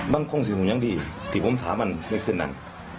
มันคงจะอยู่อย่างดีถ้าถามมากินที่นั้น